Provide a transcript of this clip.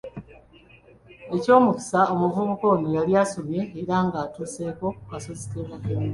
Eky'omukisa omuvubuka ono yali asomye era nga atuuseeko ku kasozi ke Makerere.